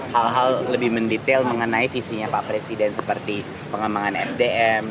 hal hal lebih mendetail mengenai visinya pak presiden seperti pengembangan sdm